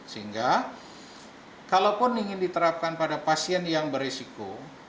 sehingga kalaupun ingin diterapkan pada pasien yang beresiko